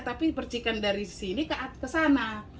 tapi percikan dari sini ke sana